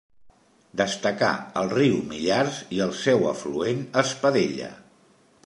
Destacar el riu Millars i el seu afluent Espadella.